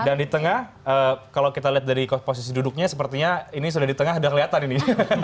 dan di tengah kalau kita lihat dari posisi duduknya sepertinya ini sudah di tengah sudah kelihatan ini